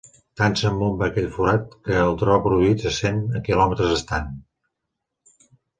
Tant s'esbomba aquell forat, que el tro produït se sent, a quilòmetres estant.